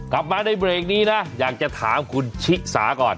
กลับมาในเบรกนี้นะอยากจะถามคุณชิสาก่อน